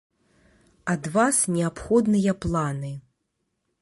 Ад вас неабходныя планы.